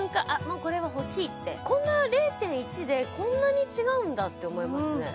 もうこれは欲しいってこんな０．１でこんなに違うんだって思いますね